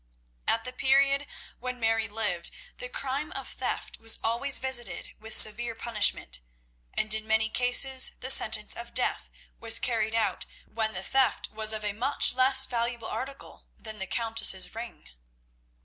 At the period when Mary lived, the crime of theft was always visited with severe punishment, and in many cases the sentence of death was carried out when the theft was of a much less valuable article than the Countess's ring.